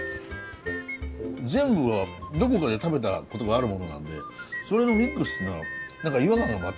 全部がどこかで食べたことがあるものなんでそれのミックスっていうのは何か違和感が全くないなこれ。